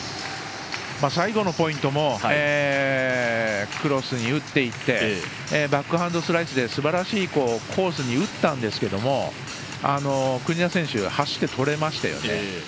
最後のポイントもクロスに打っていってバックハンドスライスですばらしいコースに打ったんですけども国枝選手、走って取れましたよね。